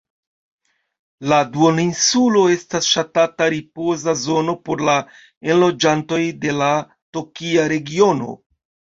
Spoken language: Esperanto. La duoninsulo estas ŝatata ripoza zono por la enloĝantoj de la tokia regiono.